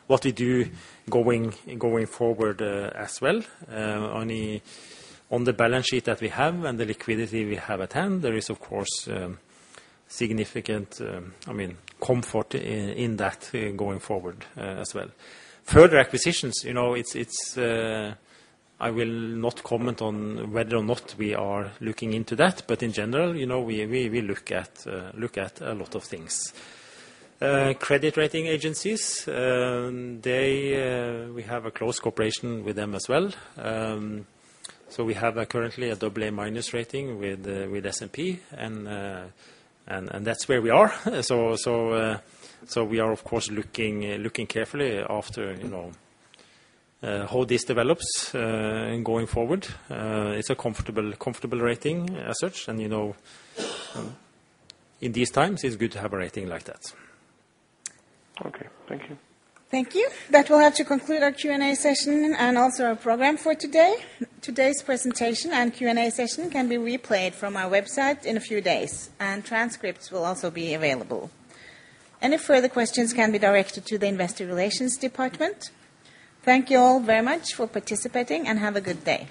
Speaker 2: what we do going forward, as well. Only on the balance sheet that we have and the liquidity we have at hand, there is, of course, significant, I mean, comfort in that going forward, as well. Further acquisitions, you know, it's, I will not comment on whether or not we are looking into that, but in general, you know, we look at a lot of things. Credit rating agencies, we have a close cooperation with them as well. We have currently an AA- rating with S&P, and that's where we are. We are, of course, looking carefully after, you know, how this develops going forward. It's a comfortable rating as such. You know, in these times, it's good to have a rating like that.
Speaker 17: Okay. Thank you.
Speaker 1: Thank you. That will have to conclude our Q&A session and also our program for today. Today's presentation and Q&A session can be replayed from our website in a few days, and transcripts will also be available. Any further questions can be directed to the Investor Relations department. Thank you all very much for participating, and have a good day.